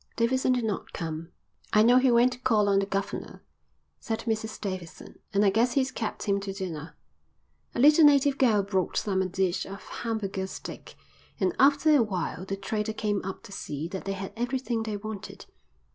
Davidson did not come. "I know he went to call on the governor," said Mrs Davidson, "and I guess he's kept him to dinner." A little native girl brought them a dish of Hamburger steak, and after a while the trader came up to see that they had everything they wanted.